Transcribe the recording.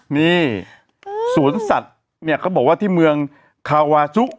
นี่สวนสัตว์เนี่ยเขาบอกว่าที่เมืองคาวาจุ